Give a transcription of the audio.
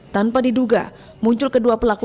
tanpa diduga muncul kedua pelaku